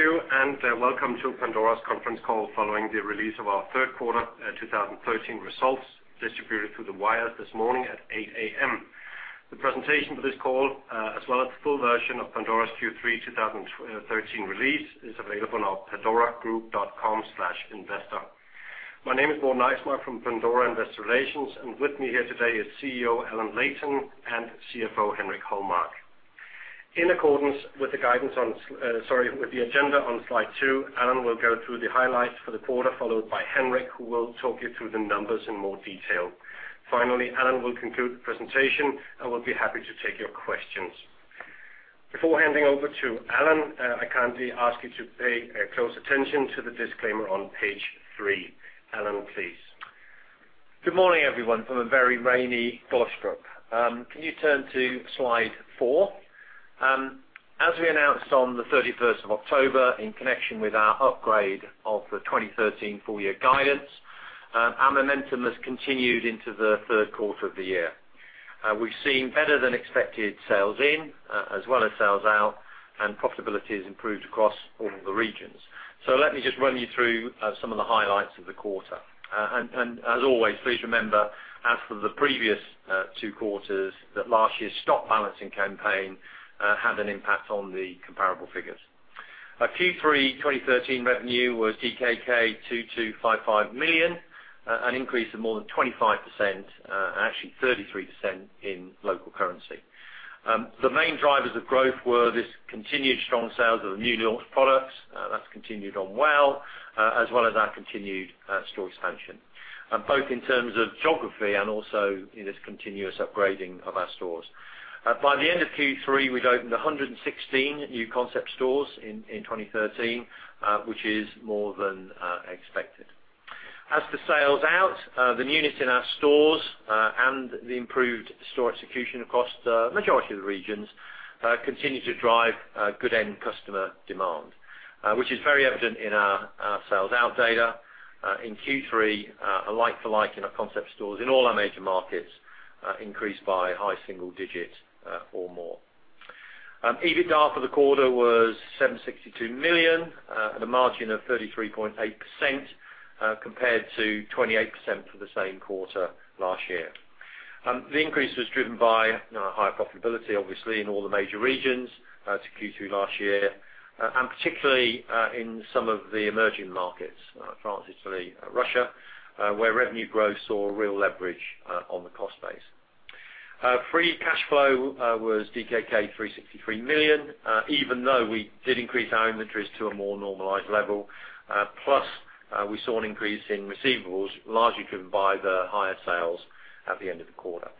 Thank you and welcome to Pandora's conference call following the release of our third quarter, 2013 results, distributed through the wires this morning at 8:00 A.M. The presentation for this call, as well as the full version of Pandora's Q3, 2013 release, is available on our pandoragroup.com/investor. My name is Morten Eismark from Pandora Investor Relations, and with me here today is CEO, Allan Leighton, and CFO, Henrik Holmark. In accordance with the agenda on slide two, Allan will go through the highlights for the quarter, followed by Henrik, who will talk you through the numbers in more detail. Finally, Allan will conclude the presentation, and we'll be happy to take your questions. Before handing over to Allan, I kindly ask you to pay close attention to the disclaimer on page three. Allan, please. Good morning, everyone, from a very rainy Glostrup. Can you turn to slide four? As we announced on the 31st of October, in connection with our upgrade of the 2013 full-year guidance, our momentum has continued into the third quarter of the year. We've seen better than expected sales-in, as well as sales-out, and profitability has improved across all of the regions. Let me just run you through some of the highlights of the quarter. And as always, please remember, as for the previous two quarters, that last year's stock balancing campaign had an impact on the comparable figures. Our Q3 2013 revenue was DKK 2.255 billion, an increase of more than 25% and actually 33% in local currency. The main drivers of growth were this continued strong sales of the new launch products, that's continued on well, as well as our continued store expansion. Both in terms of geography and also in this continuous upgrading of our stores. By the end of Q3, we'd opened 116 new Concept Stores in 2013, which is more than expected. As for sales-out, the newness in our stores and the improved store execution across the majority of the regions continue to drive good end customer demand, which is very evident in our sales-out data. In Q3, like-for-like in our Concept Stores in all our major markets increased by high single digits or more. EBITDA for the quarter was 762 million, at a margin of 33.8%, compared to 28% for the same quarter last year. The increase was driven by, you know, higher profitability, obviously, in all the major regions, to Q2 last year, and particularly, in some of the Emerging Markets, France, Italy, Russia, where revenue growth saw real leverage, on the cost base. Free cash flow was DKK 363 million, even though we did increase our inventories to a more normalized level, plus, we saw an increase in receivables, largely driven by the higher sales at the end of the quarter.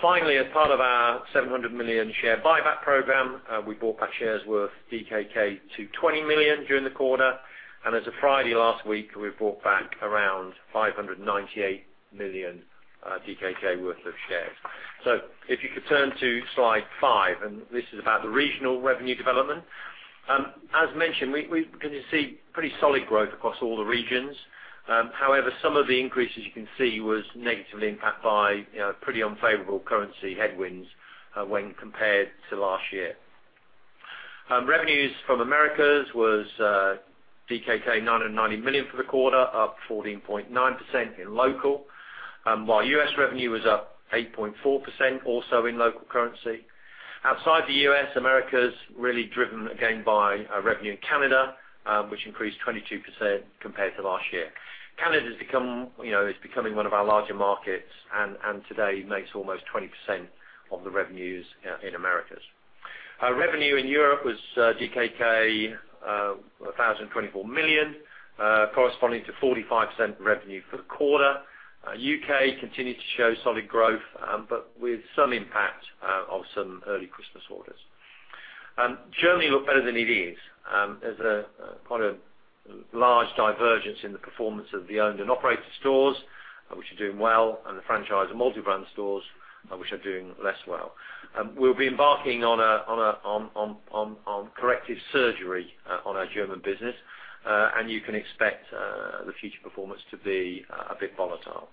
Finally, as part of our 700 million share buyback program, we bought back shares worth 220 million DKK during the quarter, and as of Friday last week, we've bought back around 598 million DKK worth of shares. So if you could turn to slide five, and this is about the regional revenue development. As mentioned, you can see pretty solid growth across all the regions. However, some of the increases, you can see, was negatively impacted by pretty unfavorable currency headwinds when compared to last year. Revenues from Americas was DKK 990 million for the quarter, up 14.9% in local. While U.S. revenue was up 8.4%, also in local currency. Outside the U.S., Americas really driven again by our revenue in Canada, which increased 22% compared to last year. Canada has become, you know, is becoming one of our larger markets and today makes almost 20% of the revenues in Americas. Our revenue in Europe was DKK 1.024 billion, corresponding to 45% revenue for the quarter. U.K. continued to show solid growth, but with some impact of some early Christmas orders. Germany looked better than it is. There's quite a large divergence in the performance of the owned and operated stores, which are doing well, and the franchise and multi-brand stores, which are doing less well. We'll be embarking on a corrective surgery on our German business, and you can expect the future performance to be a bit volatile.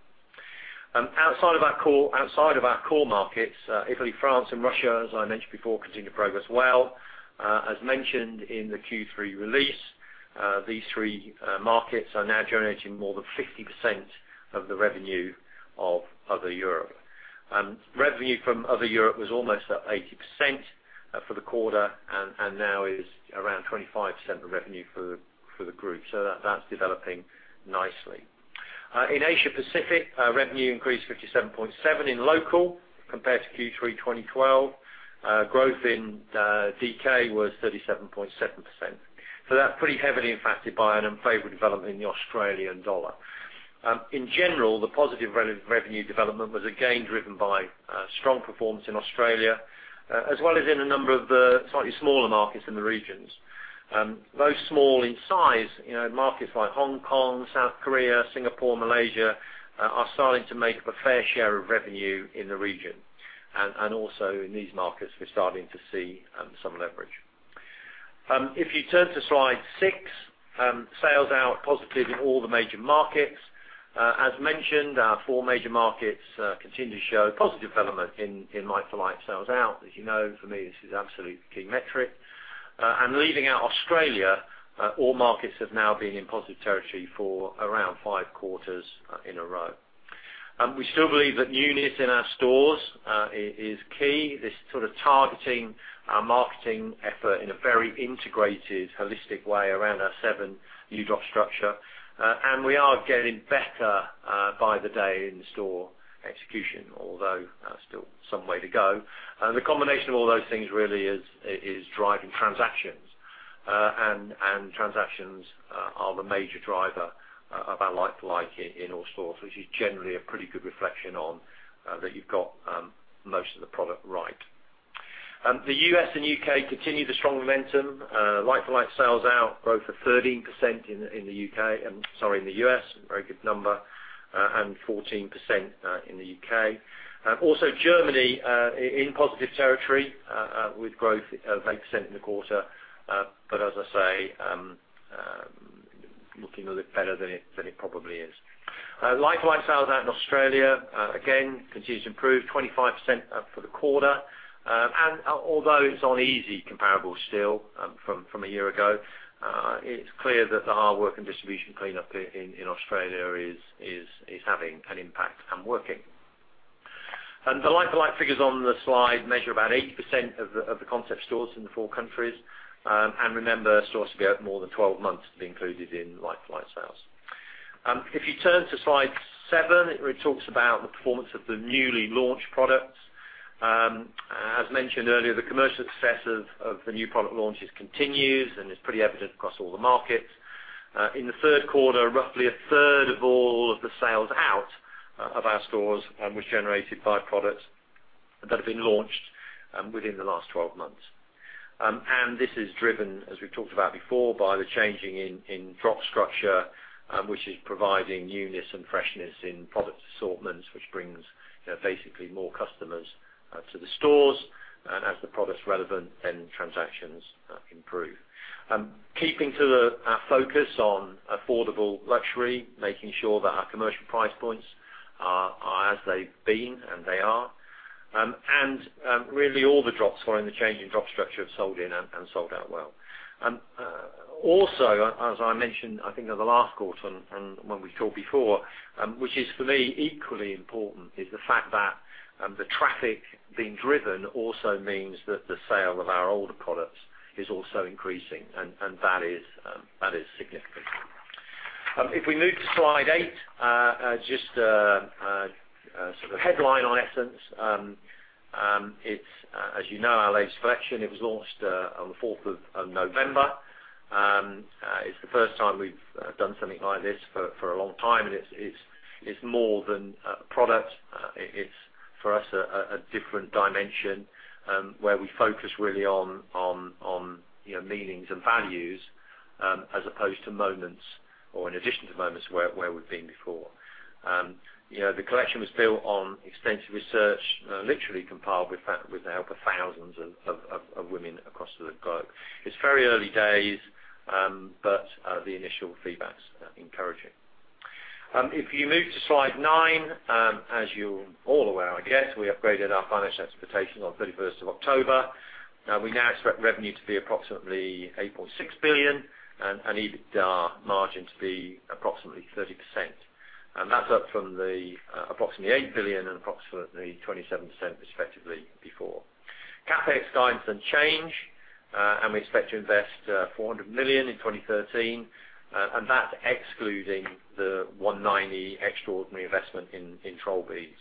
Outside of our core markets, Italy, France, and Russia, as I mentioned before, continue to progress well. As mentioned in the Q3 release, these three markets are now generating more than 50% of the revenue of other Europe. Revenue from other Europe was almost up 80% for the quarter, and now is around 25% of revenue for the group. So that's developing nicely. In Asia Pacific, revenue increased 57.7% in local compared to Q3 2012. Growth in DKK was 37.7%. So that's pretty heavily impacted by an unfavorable development in the Australian dollar. In general, the positive revenue development was again driven by strong performance in Australia, as well as in a number of the slightly smaller markets in the regions. Those small in size, you know, markets like Hong Kong, South Korea, Singapore, Malaysia are starting to make up a fair share of revenue in the region. And also in these markets, we're starting to see some leverage. If you turn to slide six. Sales-out positive in all the major markets. As mentioned, our four major markets continue to show positive development in like-for-like sales out. As you know, for me, this is absolutely key metric. And leaving out Australia, all markets have now been in positive territory for around five quarters in a row. We still believe that newness in our stores is key. This sort of targeting our marketing effort in a very integrated, holistic way around our seven new Drop Structure. And we are getting better by the day in store execution, although still some way to go. And the combination of all those things really is driving transactions and transactions are the major driver of our like-for-like in all stores, which is generally a pretty good reflection on that you've got most of the product right. The U.S. and U.K. continue the strong momentum, like-for-like sales-out growth of 13% in the U.K., sorry, in the U.S., very good number, and 14% in the U.K. Also Germany in positive territory with growth of 8% in the quarter. But as I say, looking a little better than it probably is. Like-for-like sales-out in Australia again continues to improve, 25% up for the quarter. And although it's on easy comparable still from a year ago, it's clear that the hard work and distribution cleanup in Australia is having an impact and working. And the like-for-like figures on the slide measure about 80% of the Concept Stores in the four countries. Remember, stores to be open more than 12 months to be included in like-for-like sales. If you turn to slide seven, it talks about the performance of the newly launched products. As mentioned earlier, the commercial success of, of the new product launches continues and is pretty evident across all the markets. In the third quarter, roughly a third of all of the sales-out of our stores was generated by products that have been launched within the last 12 months. This is driven, as we've talked about before, by the changing in, in Drop Structure, which is providing newness and freshness in product assortments, which brings, you know, basically more customers to the stores, and as the product's relevant, then transactions improve. Keeping to our focus on Affordable Luxury, making sure that our commercial price points are as they've been, and they are. And really, all the drops following the change in Drop Structure have sold in and sold out well. Also, as I mentioned, I think, on the last quarter and when we talked before, which is for me, equally important, is the fact that the traffic being driven also means that the sale of our older products is also increasing, and that is significant. If we move to slide eight, just sort of headline on Essence, it's, as you know, our latest collection, it was launched on the 4th of November. It's the first time we've done something like this for a long time, and it's more than a product. It's, for us, a different dimension, where we focus really on you know, meanings and values, as opposed to Moments or in addition to Moments where we've been before. You know, the collection was built on extensive research, literally compiled with the help of thousands of women across the globe. It's very early days, but the initial feedback's encouraging. If you move to slide nine, as you all are aware, I guess, we upgraded our financial expectations on 31st of October. We now expect revenue to be approximately 8.6 billion and EBITDA margin to be approximately 30%. And that's up from the approximately 8 billion and approximately 27% respectively before. CapEx guidance unchanged, and we expect to invest 400 million in 2013, and that's excluding the 190 million extraordinary investment in Trollbeads,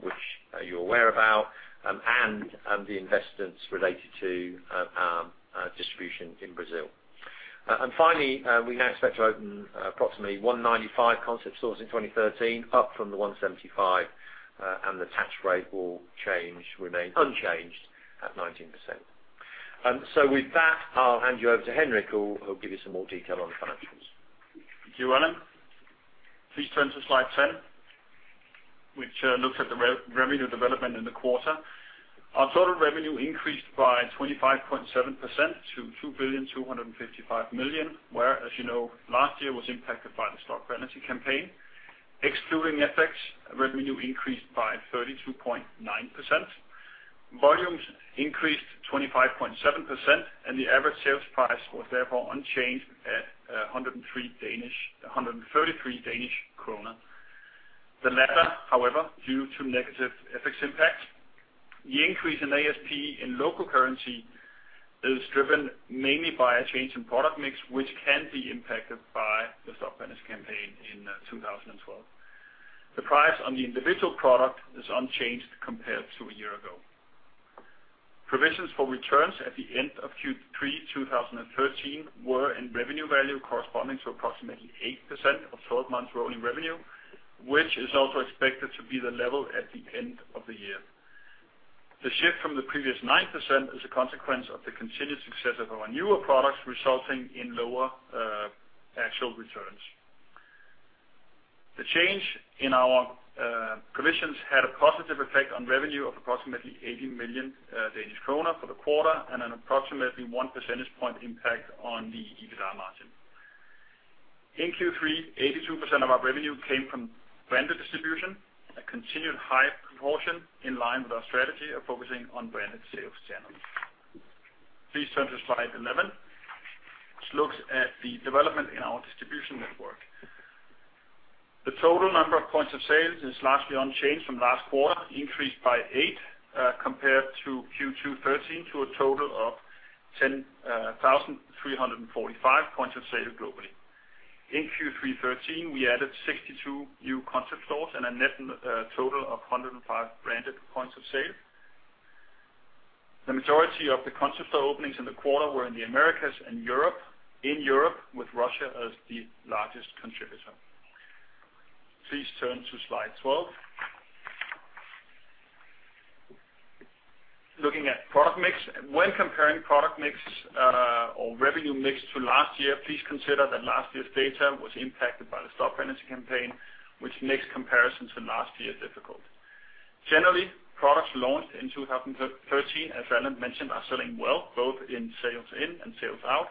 which you're aware about, and the investments related to distribution in Brazil. And finally, we now expect to open approximately 195 Concept Stores in 2013, up from the 175, and the tax rate will change, remain unchanged at 19%. So with that, I'll hand you over to Henrik, who will give you some more detail on the financials. Thank you, Allan. Please turn to slide 10, which looks at the revenue development in the quarter. Our total revenue increased by 25.7% to 2.255 billion, whereas, as you know, last year was impacted by the stock balancing campaign. Excluding FX, revenue increased by 32.9%. Volumes increased 25.7%, and the average sales price was therefore unchanged at 133 Danish kroner. The latter, however, due to negative FX impact, the increase in ASP in local currency is driven mainly by a change in product mix, which can be impacted by the stock balancing campaign in 2012. The price on the individual product is unchanged compared to a year ago. Provisions for returns at the end of Q3 2013 were in revenue value, corresponding to approximately 8% of 12-month rolling revenue, which is also expected to be the level at the end of the year. The shift from the previous 9% is a consequence of the continued success of our newer products, resulting in lower actual returns. The change in our commissions had a positive effect on revenue of approximately 80 million Danish kroner for the quarter, and an approximately one percentage point impact on the EBITDA margin. In Q3, 82% of our revenue came from branded distribution, a continued high proportion in line with our strategy of focusing on branded sales channels. Please turn to slide 11, which looks at the development in our distribution network. The total number of points of sales is largely unchanged from last quarter, increased by 8, compared to Q2 2013, to a total of 10,345 points of sale globally. In Q3 2013, we added 62 new Concept Stores and a net total of 105 branded points of sale. The majority of the Concept Store openings in the quarter were in the Americas and Europe, with Russia as the largest contributor. Please turn to slide 12. Looking at product mix. When comparing product mix or revenue mix to last year, please consider that last year's data was impacted by the stock balancing campaign, which makes comparison to last year difficult. Generally, products launched in 2013, as Allan mentioned, are selling well, both in sales-in and sales-out.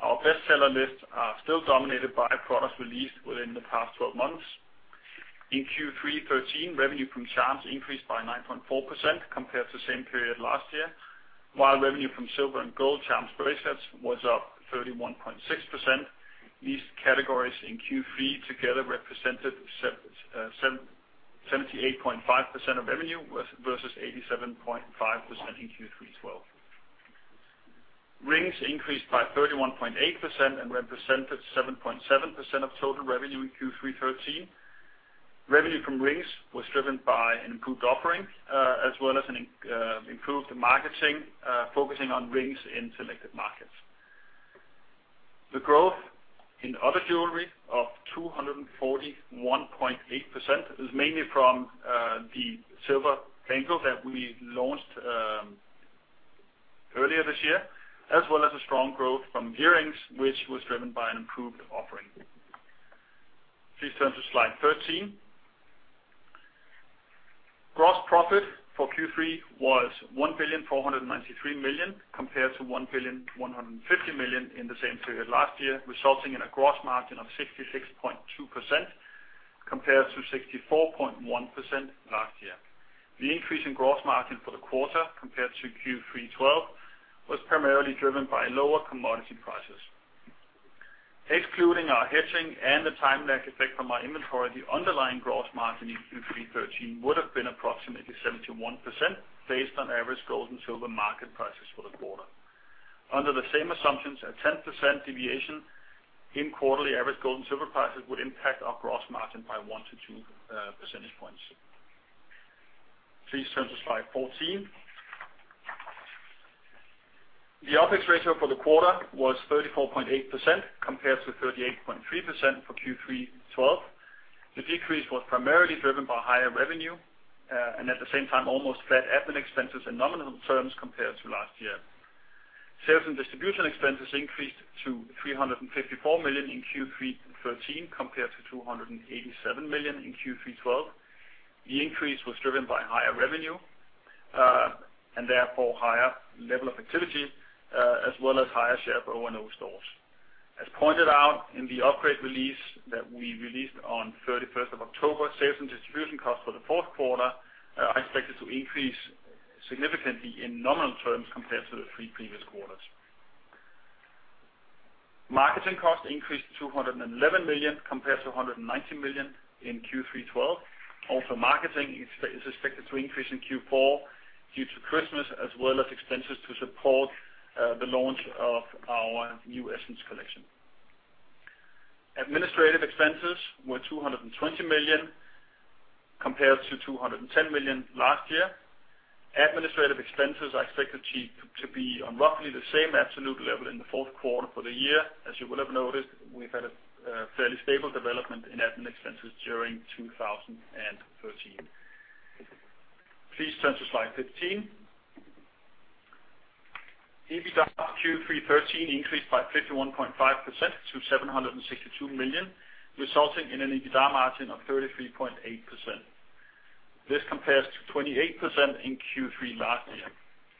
Our bestseller lists are still dominated by products released within the past 12 months. In Q3 2013, revenue from charms increased by 9.4% compared to the same period last year, while revenue from silver and gold charms bracelets was up 31.6%. These categories in Q3 2013 together represented 78.5% of revenue, versus 87.5% in Q3 2012. Rings increased by 31.8% and represented 7.7% of total revenue in Q3 2013. Revenue from rings was driven by an improved offering, as well as an improved marketing, focusing on rings in selected markets. The growth in other jewelry of 241.8% is mainly from, the Silver Bangle that we launched, earlier this year, as well as a strong growth from earrings, which was driven by an improved offering. Please turn to slide 13. Gross profit for Q3 was 1.493 billion, compared to 1.150 billion in the same period last year, resulting in a gross margin of 66.2%, compared to 64.1% last year. The increase in gross margin for the quarter, compared to Q3 2012, was primarily driven by lower commodity prices. Excluding our hedging and the time lag effect from our inventory, the underlying gross margin in Q3 2013 would have been approximately 71%, based on average gold and silver market prices for the quarter. Under the same assumptions, a 10% deviation in quarterly average gold and silver prices would impact our gross margin by 1-2 percentage points. Please turn to slide 14. The OpEx ratio for the quarter was 34.8%, compared to 38.3% for Q3 2012. The decrease was primarily driven by higher revenue, and at the same time, almost flat admin expenses in nominal terms compared to last year. Sales and distribution expenses increased to 354 million in Q3 2013, compared to 287 million in Q3 2012. The increase was driven by higher revenue, and therefore higher level of activity, as well as higher share of O&O stores. As pointed out in the upgrade release that we released on 31 of October, sales and distribution costs for the fourth quarter are expected to increase significantly in nominal terms compared to the three previous quarters. Marketing costs increased to 211 million, compared to 190 million in Q3 2012. Also, marketing is, is expected to increase in Q4, due to Christmas, as well as expenses to support the launch of our new Essence Collection. Administrative expenses were 220 million, compared to 210 million last year. Administrative expenses are expected to, to be on roughly the same absolute level in the fourth quarter for the year. As you will have noticed, we've had a fairly stable development in admin expenses during 2013. Please turn to slide 15. EBITDA Q3 2013 increased by 51.5% to 762 million, resulting in an EBITDA margin of 33.8%. This compares to 28% in Q3 2012.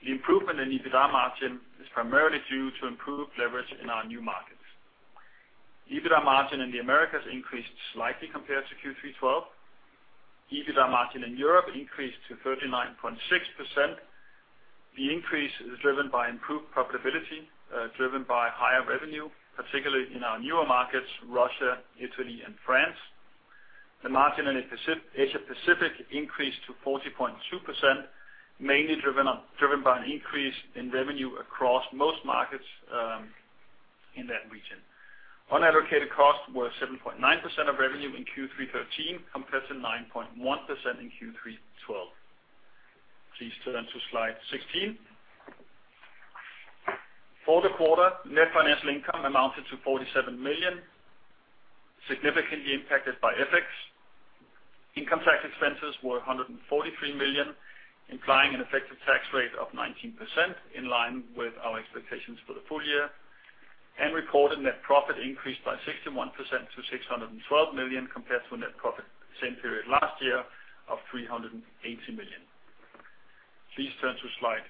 The improvement in EBITDA margin is primarily due to improved leverage in our new markets. EBITDA margin in the Americas increased slightly compared to Q3 2012. EBITDA margin in Europe increased to 39.6%. The increase is driven by improved profitability, driven by higher revenue, particularly in our newer markets, Russia, Italy, and France. The margin in Asia Pacific increased to 40.2%, mainly driven by an increase in revenue across most markets, in that region. Unallocated costs were 7.9% of revenue in Q3 2013, compared to 9.1% in Q3 2012. Please turn to slide 16. For the quarter, net financial income amounted to 47 million, significantly impacted by FX. Income tax expenses were 143 million, implying an effective tax rate of 19%, in line with our expectations for the full year, and reported net profit increased by 61% to 612 million, compared to a net profit same period last year of 380 million. Please turn to slide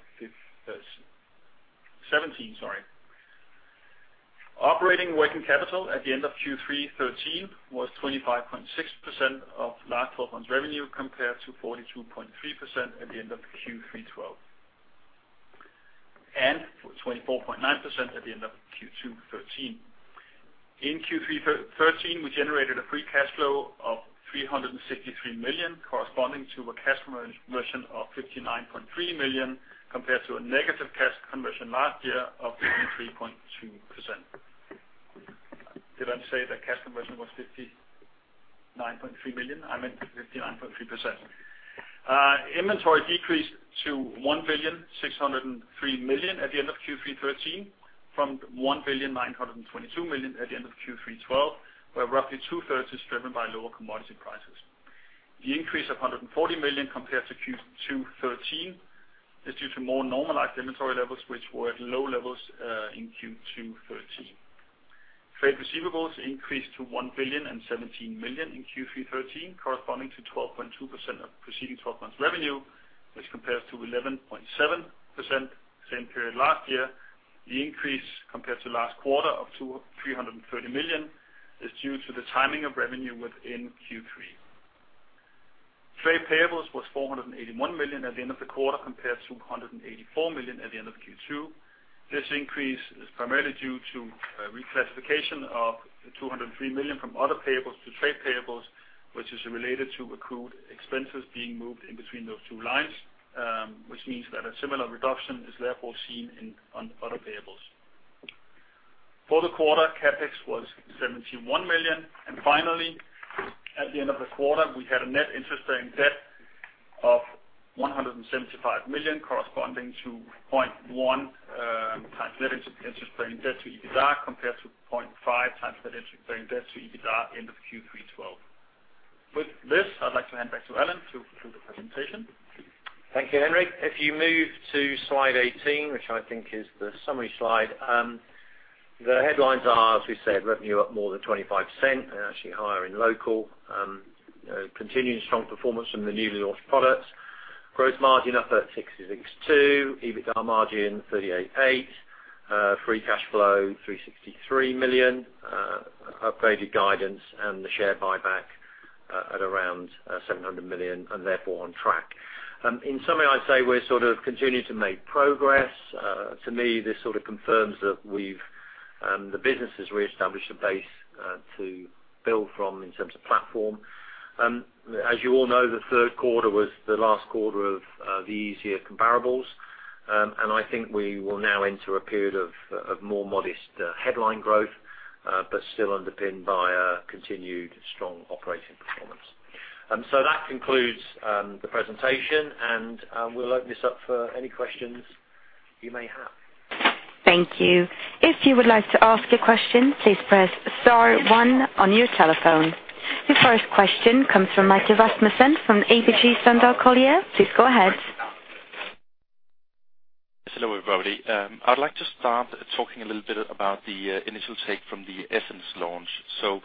17, sorry. Operating working capital at the end of Q3 2013 was 25.6% of last 12 months' revenue, compared to 42.3% at the end of Q3 2012, and for 24.9% at the end of Q2 2013. In Q3 2013, we generated a free cash flow of 363 million, corresponding to a cash conversion of 59.3 million, compared to a negative cash conversion last year of 23.2%. Did I say that cash conversion was 59.3 million? I meant 59.3%. Inventory decreased to 1.603 billion at the end of Q3 2013, from 1.922 billion at the end of Q3 2012, where roughly two-thirds is driven by lower commodity prices. The increase of 140 million compared to Q2 2013 is due to more normalized inventory levels, which were at low levels, in Q2 2013. Trade receivables increased to 1.017 billion in Q3 2013, corresponding to 12.2% of preceding 12 months revenue, which compares to 11.7% same period last year. The increase compared to last quarter of 230 million is due to the timing of revenue within Q3. Trade payables was 481 million at the end of the quarter, compared to 184 million at the end of Q2. This increase is primarily due to reclassification of 203 million from other payables to trade payables, which is related to accrued expenses being moved in between those two lines, which means that a similar reduction is therefore seen in, on other payables. For the quarter, CapEx was 71 million, and finally, at the end of the quarter, we had a net interest-bearing debt of 175 million, corresponding to 0.1x net interest-bearing debt to EBITDA, compared to 0.5x net interest-bearing debt to EBITDA end of Q3 2012. With this, I'd like to hand back to Allan to the presentation. Thank you, Henrik. If you move to slide 18, which I think is the summary slide, the headlines are, as we said, revenue up more than 25% and actually higher in local. You know, continuing strong performance from the newly launched products. Gross margin up at 66.2%, EBITDA margin 38.8%, free cash flow 363 million, upgraded guidance and the share buyback at around 700 million, and therefore, on track. In summary, I'd say we're sort of continuing to make progress. To me, this sort of confirms that we've the business has reestablished a base to build from in terms of platform. As you all know, the third quarter was the last quarter of the easier comparables. And I think we will now enter a period of more modest headline growth, but still underpinned by a continued strong operating performance. And so that concludes the presentation, and we'll open this up for any questions you may have. Thank you. If you would like to ask a question, please press star one on your telephone. The first question comes from Michael Rasmussen from ABG Sundal Collier. Please go ahead. Hello, everybody. I'd like to start talking a little bit about the initial take from the Essence launch. So,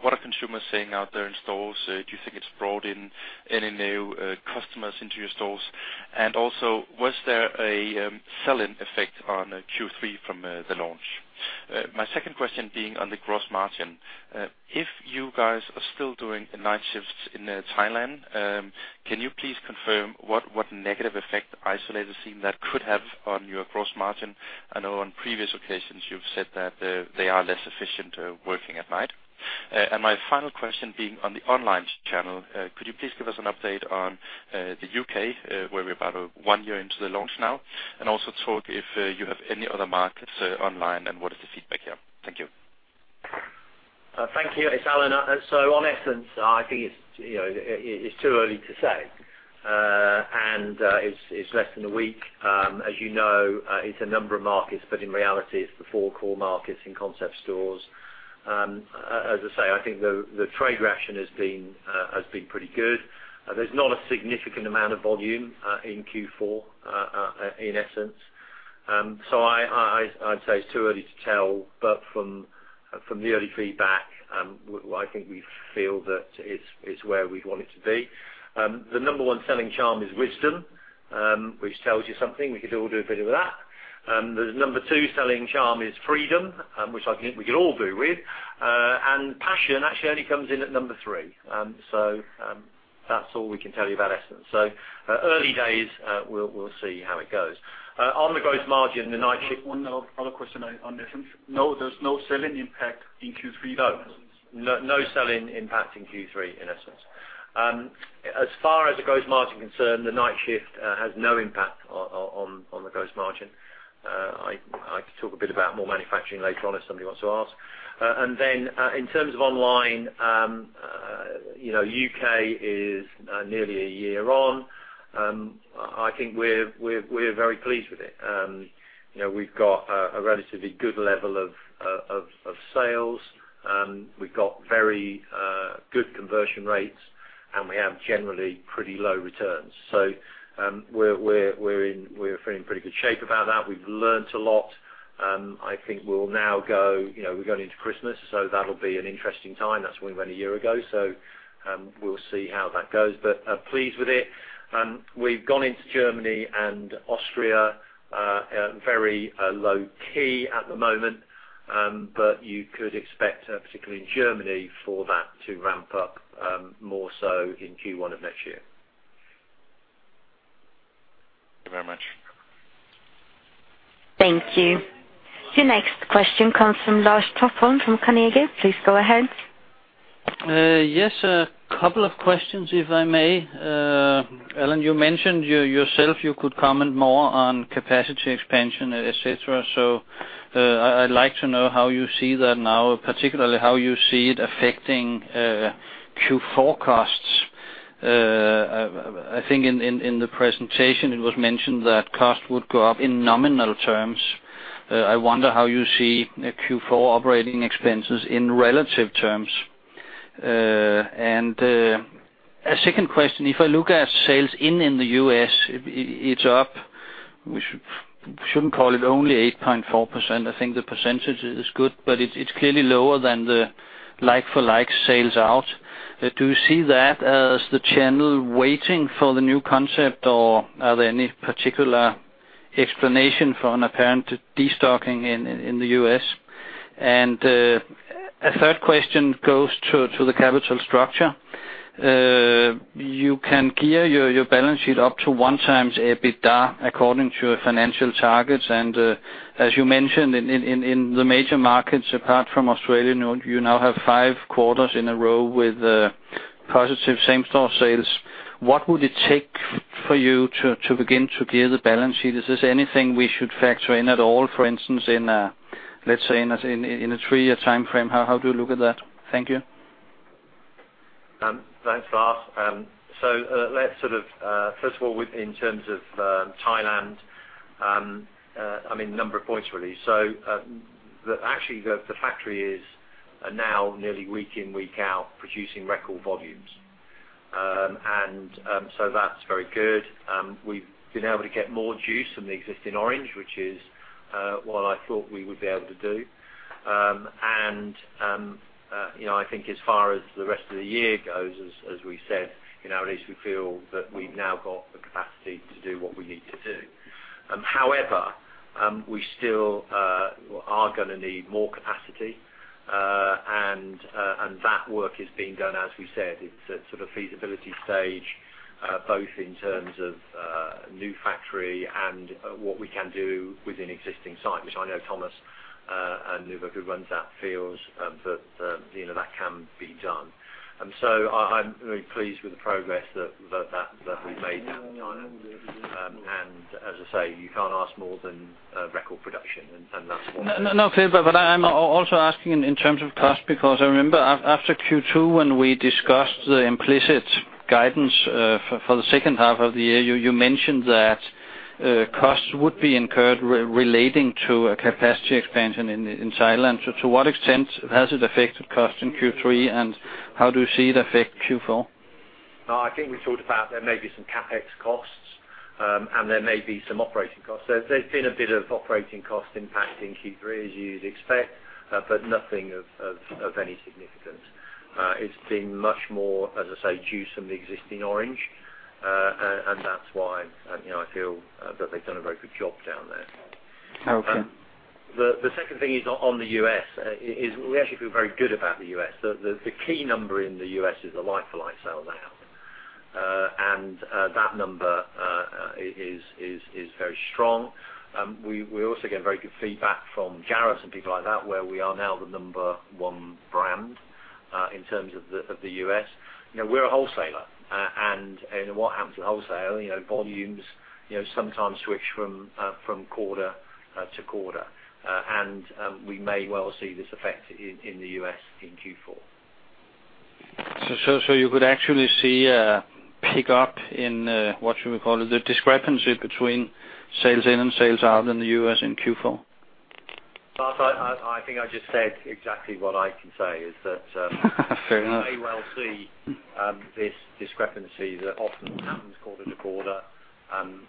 what are consumers saying out there in stores? Do you think it's brought in any new customers into your stores? And also, was there a sell-in effect on Q3 from the launch? My second question being on the gross margin. If you guys are still doing the night shifts in Thailand, can you please confirm what negative effect is also seen that could have on your gross margin? I know on previous occasions you've said that they are less efficient working at night. And my final question being on the online channel. Could you please give us an update on the U.K., where we're about one year into the launch now, and also talk if you have any other markets online, and what is the feedback here? Thank you. Thank you. It's Allan. So on Essence, I think it's, you know, it, it's too early to say, and, it's, it's less than a week. As you know, it's a number of markets, but in reality, it's the four core markets in concept stores. As I say, I think the, the trade reaction has been, has been pretty good. There's not a significant amount of volume, in Q4, in Essence. So I'd say it's too early to tell, but from, from the early feedback, well, I think we feel that it's, it's where we'd want it to be. The number one selling charm is Wisdom, which tells you something. We could all do a bit of that. The number two selling charm is Freedom, which I think we could all do with, and Passion actually only comes in at number three. That's all we can tell you about Essence. Early days, we'll see how it goes. On the gross margin, the night shift- One other question on Essence. No, there's no sales-in impact in Q3? No. No, no sell-in impact in Q3, in Essence. As far as the gross margin concerned, the night shift has no impact on the gross margin. I could talk a bit about more manufacturing later on, if somebody wants to ask. And then, in terms of online, you know, U.K. is nearly a year on. I think we're very pleased with it. You know, we've got a relatively good level of sales. We've got very good conversion rates, and we have generally pretty low returns. So, we're feeling in pretty good shape about that. We've learned a lot. I think we'll now go, you know, we're going into Christmas, so that'll be an interesting time. That's when we went a year ago, so, we'll see how that goes. But I'm pleased with it. We've gone into Germany and Austria, very low key at the moment, but you could expect, particularly in Germany, for that to ramp up, more so in Q1 of next year. Thank you very much. Thank you. Your next question comes from Lars Topholm from Carnegie. Please go ahead. Yes, a couple of questions, if I may. Allan, you mentioned you, yourself, you could comment more on capacity expansion, et cetera. So, I'd like to know how you see that now, particularly how you see it affecting Q4 costs. I think in the presentation, it was mentioned that cost would go up in nominal terms. I wonder how you see Q4 operating expenses in relative terms. And a second question, if I look at sales in the U.S., it's up. We shouldn't call it only 8.4%. I think the percentage is good, but it's clearly lower than the like for like sales out. Do you see that as the channel waiting for the new concept, or are there any particular explanation for an apparent destocking in the U.S.? A third question goes to the capital structure. You can gear your balance sheet up to 1x EBITDA, according to your financial targets. And, as you mentioned in the major markets, apart from Australia, you know, you now have five quarters in a row with positive same-store sales. What would it take for you to begin to gear the balance sheet? Is this anything we should factor in at all, for instance, in, let's say, in a three-year timeframe? How do you look at that? Thank you. Thanks, Lars. So, let's sort of first of all, within terms of Thailand, I mean, number of points, really. So, actually, the factory is now nearly week in, week out, producing record volumes. And so that's very good. We've been able to get more juice from the existing orange, which is what I thought we would be able to do. And you know, I think as far as the rest of the year goes, as we said, you know, at least we feel that we've now got the capacity to do what we need to do. However, we still are gonna need more capacity, and that work is being done, as we said, it's a sort of feasibility stage, both in terms of new factory and what we can do within existing site, which I know Thomas and who runs that feels, you know, that can be done. And so I, I'm very pleased with the progress that we've made down in Thailand. And as I say, you can't ask more than record production, and that's what- No, no, clear, but I'm also asking in terms of cost, because I remember after Q2, when we discussed the implicit guidance for the second half of the year, you mentioned that costs would be incurred relating to a capacity expansion in Thailand. So to what extent has it affected cost in Q3, and how do you see it affect Q4? I think we talked about there may be some CapEx costs, and there may be some operating costs. There's been a bit of operating cost impact in Q3, as you'd expect, but nothing of any significance. It's been much more, as I say, juice from the existing orange, and that's why, you know, I feel that they've done a very good job down there. Okay. The second thing is on the U.S. We actually feel very good about the U.S. The key number in the U.S. is the like-for-like sales now. And that number is very strong. We also get very good feedback from Jared and people like that, where we are now the number one brand in terms of the U.S. You know, we're a wholesaler, and what happens with wholesale volumes sometimes switch from quarter to quarter, and we may well see this effect in the U.S. in Q4. So you could actually see a pick up in what should we call it, the discrepancy between sales-in and sales-out in the U.S. in Q4? Lars, I think I just said exactly what I can say is that. Fair enough We may well see this discrepancy that often happens quarter to quarter.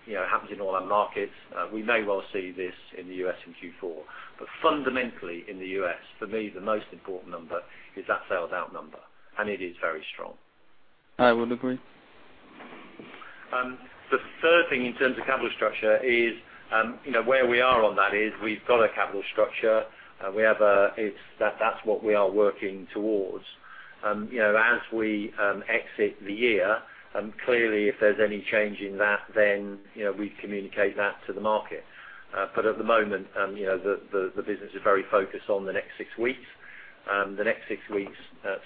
You know, it happens in all our markets. We may well see this in the U.S. in Q4. But fundamentally, in the U.S., for me, the most important number is that sales-out number, and it is very strong. I would agree. The third thing in terms of capital structure is, you know, where we are on that is we've got a capital structure, and we have a, it's that, that's what we are working towards. You know, as we exit the year, clearly, if there's any change in that, then, you know, we communicate that to the market. But at the moment, you know, the business is very focused on the next six weeks. The next six weeks,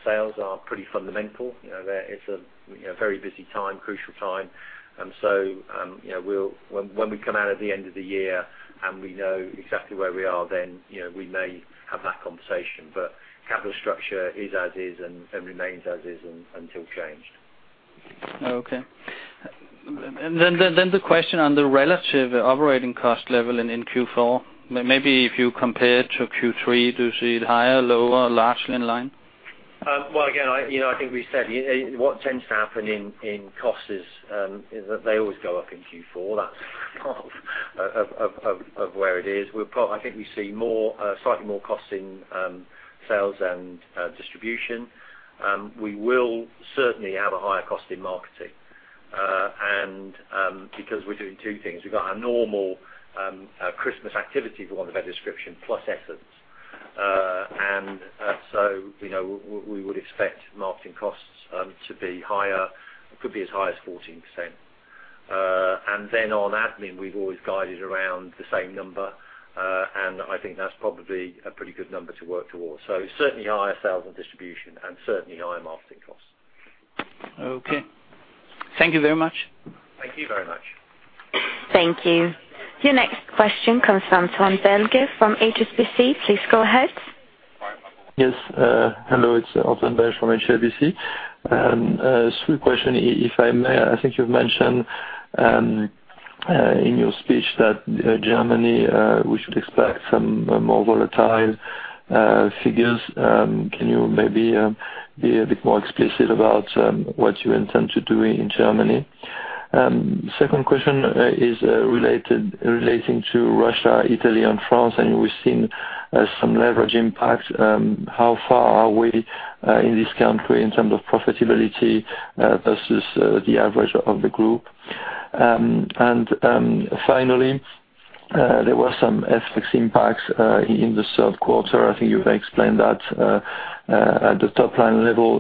sales are pretty fundamental. You know, there is a, you know, very busy time, crucial time. And so, you know, we'll, when we come out at the end of the year and we know exactly where we are, then, you know, we may have that conversation. But capital structure is as is and remains as is until changed. Oh, okay. And then the question on the relative operating cost level in Q4, maybe if you compare it to Q3, do you see it higher, lower, largely in line? Well, again, I, you know, I think we said, what tends to happen in costs is that they always go up in Q4. That's part of where it is. We've got I think we see more, slightly more costs in sales and distribution. We will certainly have a higher cost in marketing. And, because we're doing two things, we've got our normal Christmas activity, for want of a better description, plus Essence. And so, you know, we would expect marketing costs to be higher, could be as high as 14%. And then on admin, we've always guided around the same number, and I think that's probably a pretty good number to work towards. So certainly higher sales and distribution, and certainly higher marketing costs. Okay. Thank you very much. Thank you very much. Thank you. Your next question comes from Antoine Belge from HSBC. Please go ahead. Yes, hello, it's Antoine Belge from HSBC. And three questions, if I may. I think you've mentioned in your speech that Germany we should expect some more volatile figures. Can you maybe be a bit more explicit about what you intend to do in Germany? Second question is relating to Russia, Italy, and France, and we've seen some leverage impacts. How far are we in this country in terms of profitability versus the average of the group? And finally, there were some FX impacts in the third quarter. I think you've explained that at the top line level,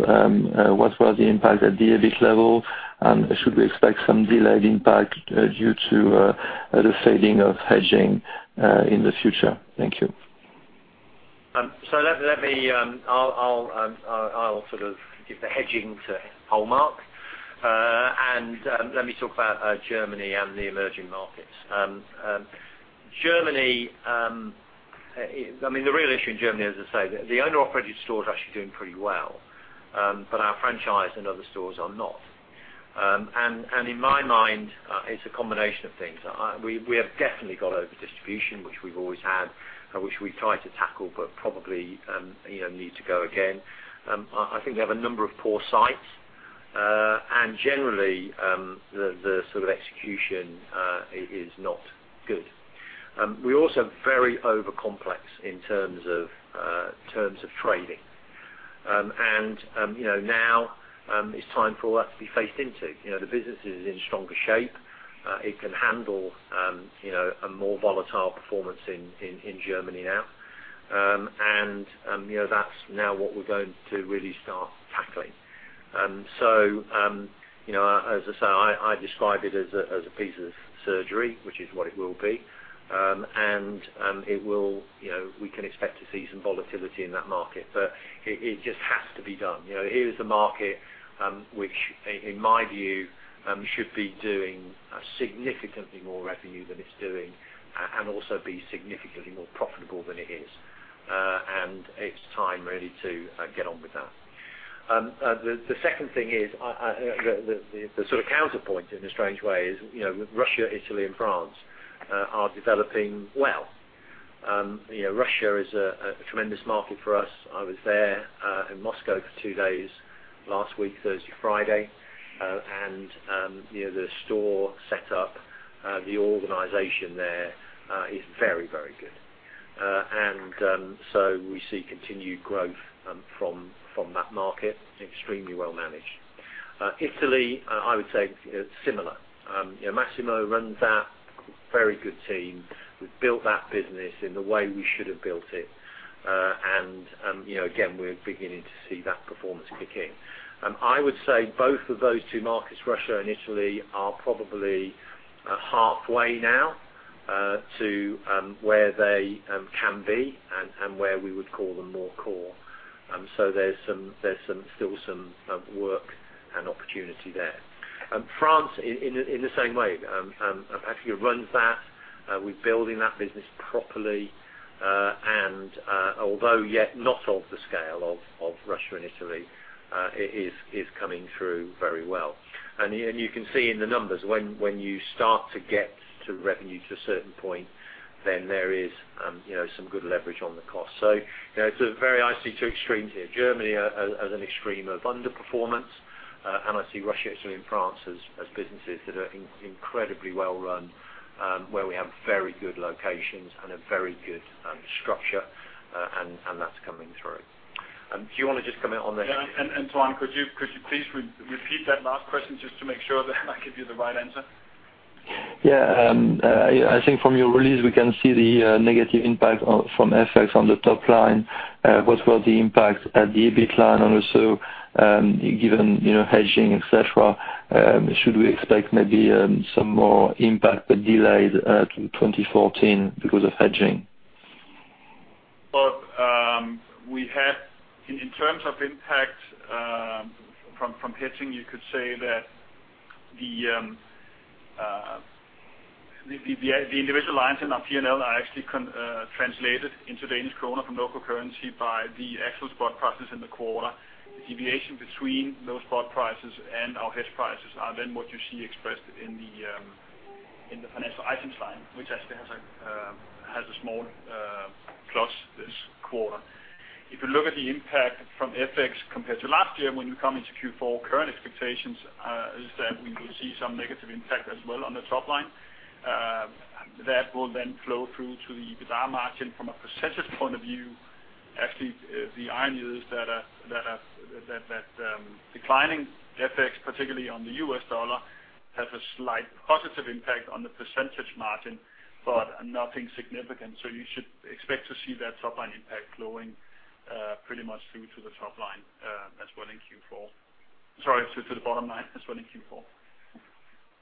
what was the impact at the EBIT level? Should we expect some delayed impact due to the fading of hedging in the future? Thank you. Let me. I'll sort of give the hedging to Holmark. Let me talk about Germany and the Emerging Markets. Germany, I mean, the real issue in Germany, as I say, the owned operated store is actually doing pretty well, but our franchise and other stores are not. In my mind, it's a combination of things. We have definitely got overdistribution, which we've always had, which we've tried to tackle, but probably, you know, need to go again. I think we have a number of poor sites, and generally, the sort of execution is not good. We're also very over complex in terms of trading. And, you know, now, it's time for all that to be faced into. You know, the business is in stronger shape. It can handle, you know, a more volatile performance in Germany now. And, you know, that's now what we're going to really start tackling. So, you know, as I say, I describe it as a piece of surgery, which is what it will be. And, it will, you know, we can expect to see some volatility in that market, but it just has to be done. You know, here is a market, which in my view, should be doing significantly more revenue than it's doing, and also be significantly more profitable than it is. And it's time really to get on with that. The second thing is, the sort of counterpoint in a strange way is, you know, Russia, Italy, and France are developing well. You know, Russia is a tremendous market for us. I was there in Moscow for two days last week, Thursday, Friday, and you know, the store set up, the organization there is very, very good. And so we see continued growth from that market, extremely well managed. Italy, I would say, similar. You know, Massimo runs that, very good team. We've built that business in the way we should have built it. And you know, again, we're beginning to see that performance kicking. I would say both of those two markets, Russia and Italy, are probably halfway now to where they can be and where we would call them more core. So there's still some work and opportunity there. France in the same way actually runs that we're building that business properly, and although yet not of the scale of Russia and Italy, is coming through very well. And you can see in the numbers, when you start to get to revenue to a certain point, then there is, you know, some good leverage on the cost. So, you know, it's a very, I see two extremes here. Germany as an extreme of underperformance, and I see Russia, Italy, and France as businesses that are incredibly well run, where we have very good locations and a very good structure, and that's coming through. Do you wanna just comment on that? Yeah, Antoine, could you please repeat that last question just to make sure that I give you the right answer? Yeah, I think from your release, we can see the negative impact from FX on the top line. What was the impact at the EBIT line? And also, given, you know, hedging, et cetera, should we expect maybe some more impact, but delayed, to 2014 because of hedging? Well, in terms of impact from hedging, you could say that the The individual lines in our P&L are actually converted, translated into Danish kroner from local currency by the actual spot prices in the quarter. The deviation between those spot prices and our hedge prices are then what you see expressed in the financial items line, which actually has a small plus this quarter. If you look at the impact from FX compared to last year, when you come into Q4, current expectations is that we will see some negative impact as well on the top line. That will then flow through to the EBITDA margin from a percentage point of view, actually, the idea is that declining FX, particularly on the U.S. dollar, has a slight positive impact on the percentage margin, but nothing significant. So you should expect to see that top line impact flowing, pretty much through to the top line, as well in Q4. Sorry, to the bottom line, as well in Q4.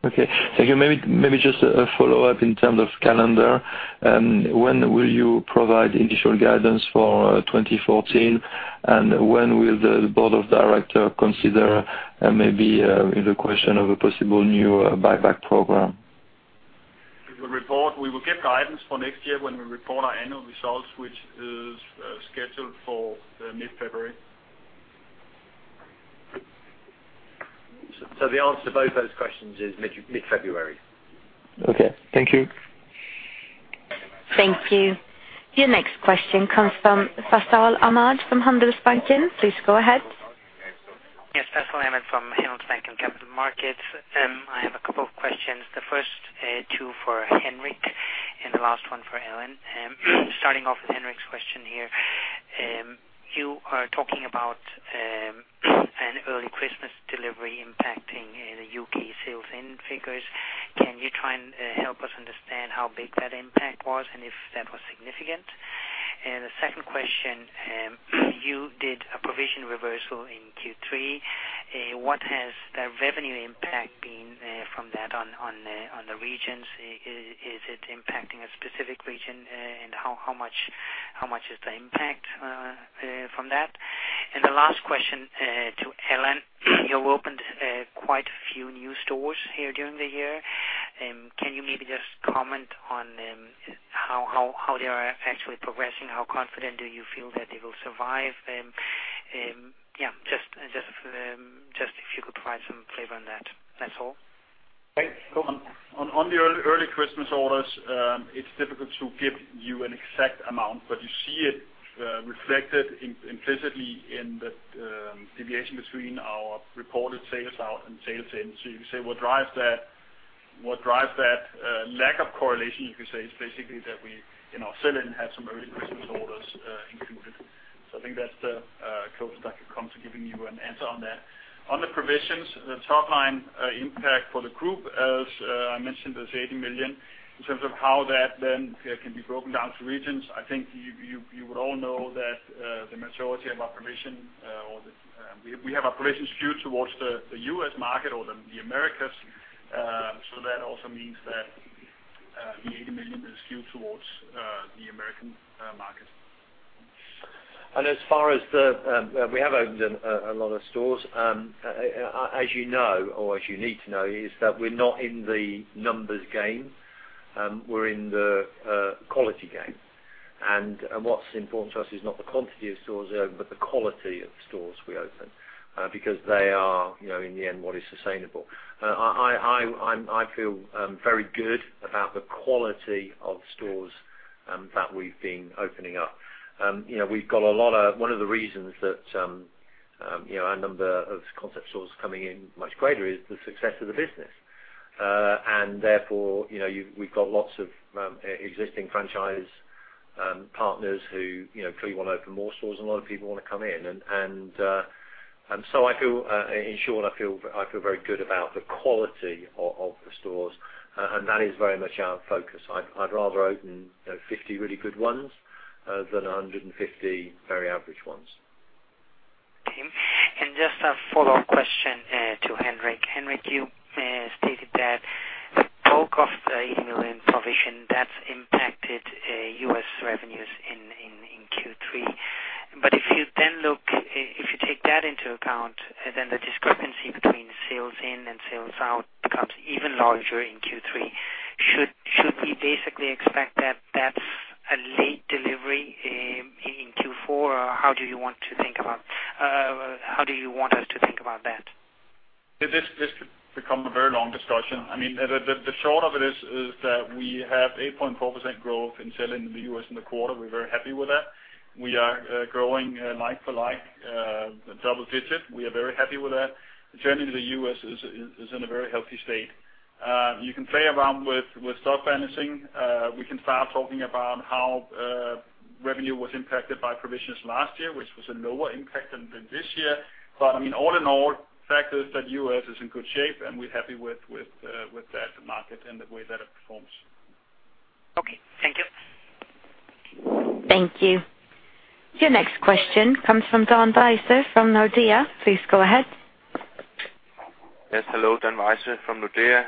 Okay, thank you. Maybe just a follow-up in terms of calendar. When will you provide initial guidance for 2014? And when will the Board of Directors consider maybe the question of a possible new buyback program? We will report, we will give guidance for next year when we report our annual results, which is scheduled for mid-February. The answer to both those questions is mid, mid-February. Okay, thank you. Thank you. Your next question comes from Fasial Ahmad from Handelsbanken. Please go ahead. Yes, Fasial Ahmad from Handelsbanken Capital Markets. I have a couple of questions. The first two for Henrik, and the last one for Allan. Starting off with Henrik's question here. You are talking about an early Christmas delivery impacting the U.K. sales-in figures. Can you try and help us understand how big that impact was, and if that was significant? And the second question, you did a provision reversal in Q3. What has the revenue impact been from that on the regions? Is it impacting a specific region, and how much is the impact from that? And the last question to Allan, you opened quite a few new stores here during the year. Can you maybe just comment on how they are actually progressing? How confident do you feel that they will survive? Yeah, just if you could provide some flavor on that. That's all. Thanks. On the early Christmas orders, it's difficult to give you an exact amount, but you see it reflected implicitly in the deviation between our reported sales out and sales in. So you can say what drives that lack of correlation, you could say, is basically that we, you know, sell in, have some early Christmas orders included. So I think that's the closest I can come to giving you an answer on that. On the provisions, the top line impact for the group, as I mentioned, is 80 million. In terms of how that then can be broken down to regions, I think you would all know that the majority of our provision, or the, we have operations skewed towards the U.S. market or the Americas. So that also means that the 80 million is skewed towards the American market. As far as the we have opened a lot of stores, as you know, or as you need to know, is that we're not in the numbers game. We're in the quality game. What's important to us is not the quantity of stores opened, but the quality of stores we open, because they are, you know, in the end, what is sustainable. I feel very good about the quality of stores that we've been opening up. You know, we've got a lot of. One of the reasons that, you know, a number of Concept Stores coming in much greater, is the success of the business. And therefore, you know, we've got lots of existing franchise partners who, you know, clearly want to open more stores, and a lot of people want to come in. And so I feel, in short, I feel very good about the quality of the stores, and that is very much our focus. I'd rather open, you know, 50 really good ones than 150 very average ones. Okay. And just a follow-up question to Henrik. Henrik, you stated that the bulk of the 80 million provision, that's impacted U.S. revenues in Q3. But if you then look, if you take that into account, then the discrepancy between sales-in and sales-out becomes even larger in Q3. Should we basically expect that that's a late delivery in Q4, or how do you want to think about, how do you want us to think about that? This could become a very long discussion. I mean, the short of it is that we have 8.4% growth in selling in the U.S. in the quarter. We're very happy with that. We are growing like-for-like double-digit. We are very happy with that. The journey to the U.S. is in a very healthy state. You can play around with stock balancing. We can start talking about how revenue was impacted by provisions last year, which was a lower impact than this year. But, I mean, all in all, the fact is that U.S. is in good shape, and we're happy with that market and the way that it performs. Okay. Thank you. Thank you. Your next question comes from Dan Wejse from Nordea. Please go ahead. Yes, hello, Dan Wejse from Nordea.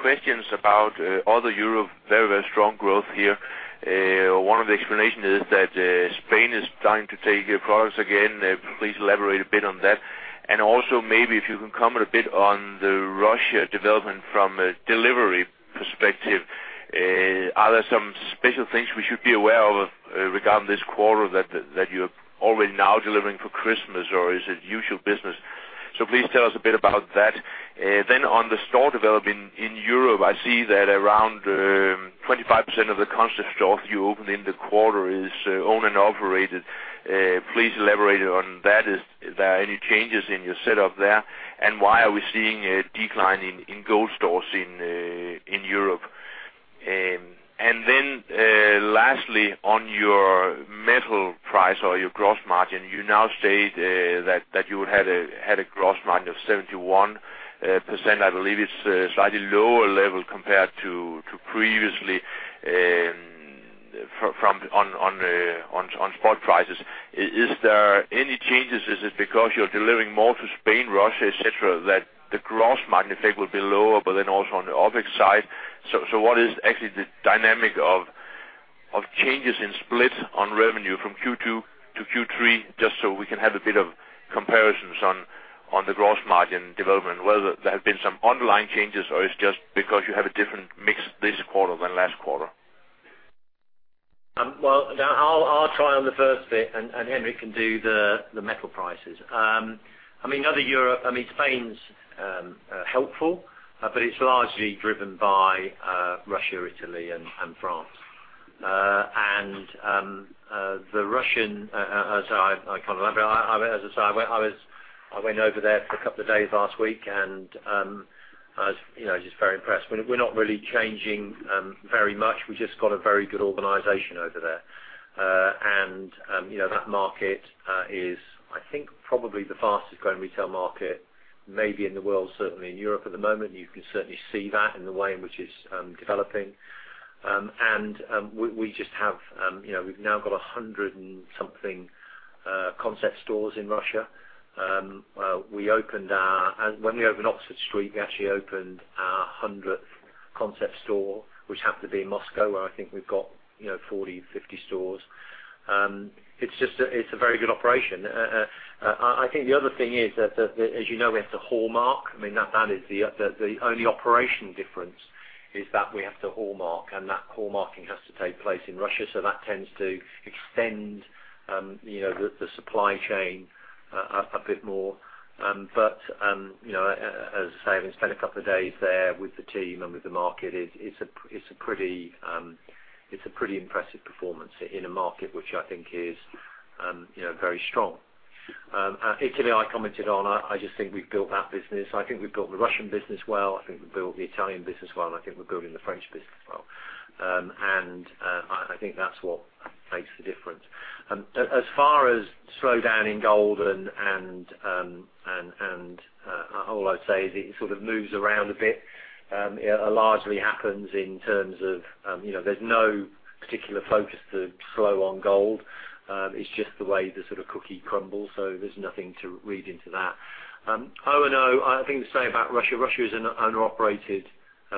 Questions about all the Europe, very, very strong growth here. One of the explanation is that, Spain is starting to take your products again. Please elaborate a bit on that, and also maybe if you can comment a bit on the Russia development from a delivery perspective. Are there some special things we should be aware of, regarding this quarter that you are already now delivering for Christmas, or is it usual business? So please tell us a bit about that. Then on the store development in Europe, I see that around 25% of the Concept Stores you opened in the quarter is owned and operated. Please elaborate on that. Is there any changes in your setup there? And why are we seeing a decline in gold stores in Europe? And then, lastly, on your metal price or your gross margin, you now state that you had a gross margin of 71%. I believe it's a slightly lower level compared to previously, from on spot prices. Is there any changes? Is it because you're delivering more to Spain, Russia, et cetera, that the gross margin effect will be lower, but then also on the OpEx side? So what is actually the dynamic of changes in split on revenue from Q2 to Q3, just so we can have a bit of comparisons on the gross margin development, whether there have been some underlying changes, or it's just because you have a different mix this quarter than last quarter? Well, now I'll try on the first bit, and Henrik can do the metal prices. I mean, other Europe, I mean, Spain's helpful, but it's largely driven by Russia, Italy, and France. And the Russian, so I can't remember. As I say, I went over there for a couple of days last week, and I was, you know, just very impressed. We're not really changing very much. We just got a very good organization over there. And you know, that market is, I think, probably the fastest-growing retail market, maybe in the world, certainly in Europe at the moment. You can certainly see that in the way in which it's developing. We just have, you know, we've now got 100-something Concept Stores in Russia. When we opened Oxford Street, we actually opened our 100th Concept Store, which happened to be in Moscow, where I think we've got, you know, 40, 50 stores. It's just, it's a very good operation. I think the other thing is that, as you know, we have to hallmark. I mean, that is the only operational difference is that we have to hallmark, and that hallmarking has to take place in Russia, so that tends to extend, you know, the supply chain a bit more. But, you know, as I say, I spent a couple of days there with the team and with the market. It's a pretty impressive performance in a market which I think is, you know, very strong. Italy, I commented on. I just think we've built that business. I think we've built the Russian business well. I think we've built the Italian business well, and I think we're building the French business well. And I think that's what makes the difference. As far as slowdown in gold and all I'd say is it sort of moves around a bit. It largely happens in terms of, you know, there's no particular focus to slow on gold. It's just the way the sort of cookie crumbles, so there's nothing to read into that. O&O, I think the same about Russia. Russia is an owner-operated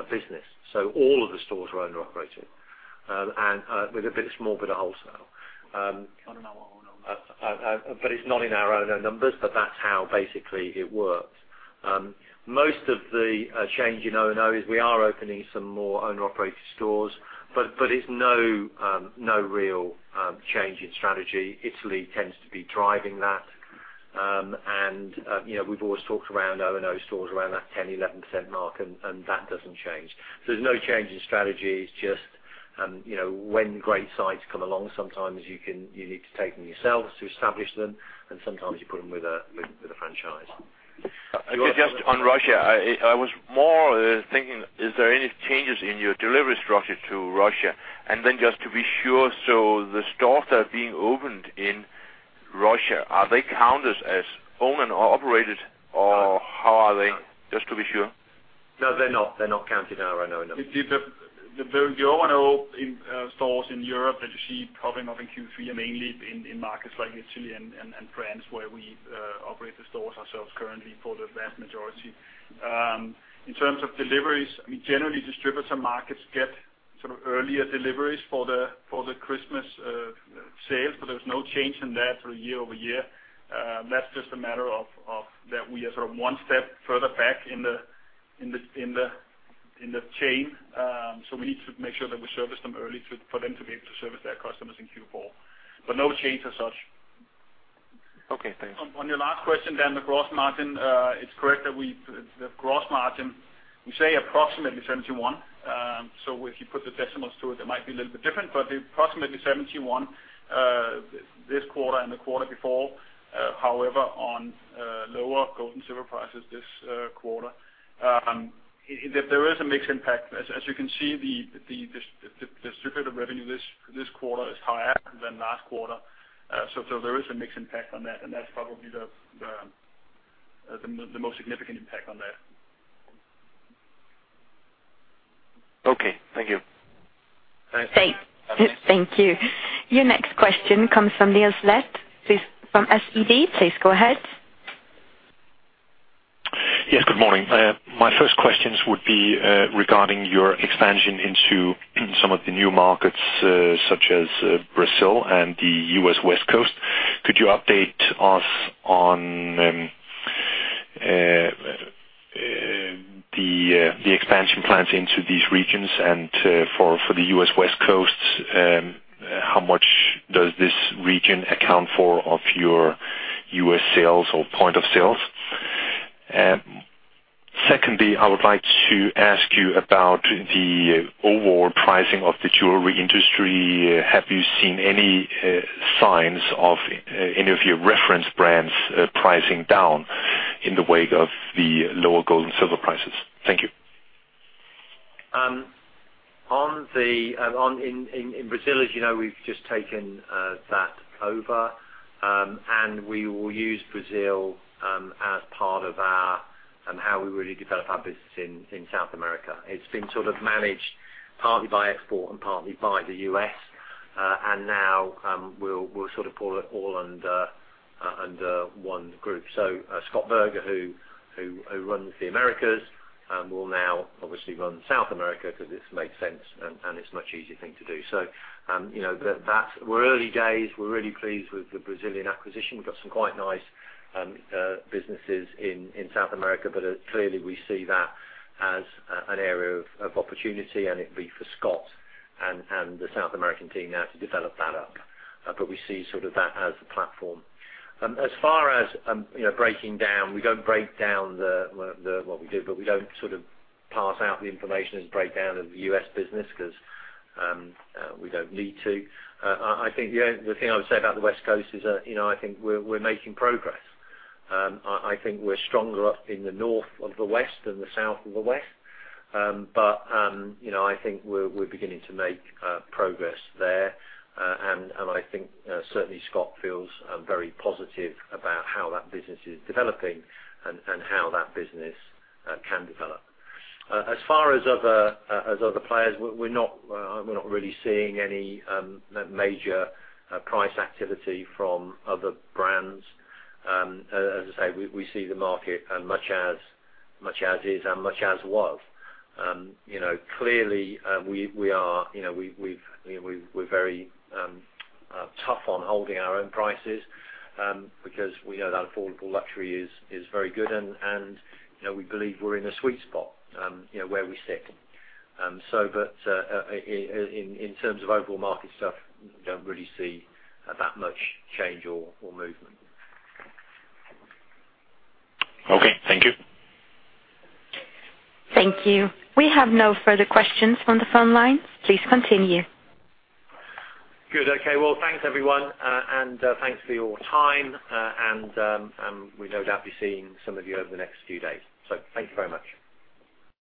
business, so all of the stores are owner-operated, and with a small bit of wholesale. O&O. But it's not in our O&O numbers, but that's how basically it works. Most of the change in O&O is we are opening some more owner-operated stores, but it's no real change in strategy. Italy tends to be driving that. And you know, we've always talked around O&O stores, around that 10%, 11% mark, and that doesn't change. So there's no change in strategy. It's just you know, when great sites come along, sometimes you can you need to take them yourselves to establish them, and sometimes you put them with a franchise. Just on Russia, I was more thinking, is there any changes in your delivery structure to Russia? And then just to be sure, so the stores that are being opened in Russia, are they counted as owned and operated, or how are they? Just to be sure. No, they're not. They're not counted in our O&O numbers. The O&O stores in Europe that you see popping up in Q3 are mainly in markets like Italy and France, where we operate the stores ourselves currently for the vast majority. In terms of deliveries, I mean, generally, distributor markets get sort of earlier deliveries for the Christmas sale, so there's no change in that for year-over-year. That's just a matter of that we are sort of one step further back in the chain. So we need to make sure that we service them early to for them to be able to service their customers in Q4. But no change as such. Okay, thanks. On your last question, then, the gross margin, it's correct that we, the gross margin, we say approximately 71%. So if you put the decimals to it, it might be a little bit different, but approximately 71%, this quarter and the quarter before. However, on lower gold and silver prices this quarter, there is a mix impact. As you can see, the distributor revenue this quarter is higher than last quarter. So there is a mix impact on that, and that's probably the most significant impact on that. Okay, thank you. Thanks. Thank you. Your next question comes from Niels Leth, please, from SEB. Please go ahead. Yes, good morning. My first questions would be regarding your expansion into some of the new markets, such as Brazil and the U.S. West Coast. Could you update us on the expansion plans into these regions? And for the U.S. West Coast, how much does this region account for of your U.S. sales or point of sales? Secondly, I would like to ask you about the overall pricing of the jewelry industry. Have you seen any signs of any of your reference brands pricing down in the wake of the lower gold and silver prices? Thank you. In Brazil, as you know, we've just taken that over. And we will use Brazil as part of our and how we really develop our business in South America. It's been sort of managed partly by export and partly by the U.S. And now, we'll sort of pull it all under one group. So, Scott Burger, who runs the Americas, will now obviously run South America because this makes sense, and it's a much easier thing to do. So, you know, that we're early days, we're really pleased with the Brazilian acquisition. We've got some quite nice businesses in South America, but clearly, we see that as an area of opportunity, and it'd be for Scott and the South American team now to develop that up. But we see sort of that as the platform. As far as, you know, breaking down, we don't break down the—well we do, but we don't sort of pass out the information as a breakdown of the U.S. business because we don't need to. I think the only thing I would say about the West Coast is that, you know, I think we're making progress. I think we're stronger up in the north of the West and the South of the West. But you know, I think we're beginning to make progress there. And I think certainly Scott feels very positive about how that business is developing and how that business can develop. As far as other players, we're not really seeing any major price activity from other brands. As I say, we see the market as much as is and much as was. You know, clearly, we are very tough on holding our own prices, because we know that affordable luxury is very good, and you know, we believe we're in a sweet spot, you know, where we sit. But in terms of overall market stuff, we don't really see that much change or movement. Okay, thank you. Thank you. We have no further questions on the phone lines. Please continue. Good. Okay. Well, thanks, everyone, and thanks for your time, and we'll no doubt be seeing some of you over the next few days. So thank you very much.